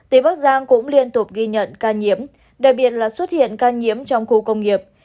tỉnh bắc giang cũng liên tục ghi nhận ca nhiễm đặc biệt là xuất hiện ca nhiễm trong khu công nghiệp